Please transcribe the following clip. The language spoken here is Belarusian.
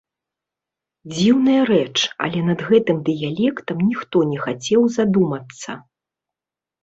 Дзіўная рэч, але над гэтым дыялектам ніхто не хацеў задумацца.